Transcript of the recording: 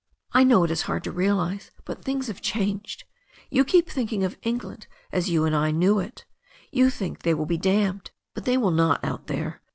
I know it is hard to realize, but things have changed. You keep thinking of England as you and I knew it You think they will be damned, but they will not out here.